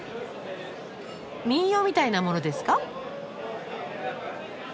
民謡みたいなものですか？